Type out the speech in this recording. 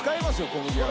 小麦は。